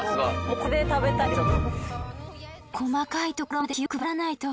これで食べたいねちょっと。